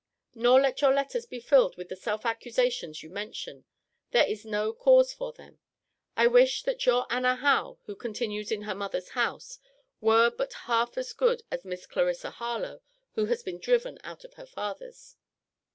Nor let your letters be filled with the self accusations you mention: there is no cause for them. I wish that your Anna Howe, who continues in her mother's house, were but half so good as Miss Clarissa Harlowe, who has been driven out of her father's.